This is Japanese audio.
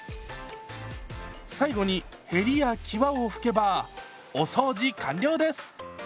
最後にへりやきわを拭けばお掃除完了です！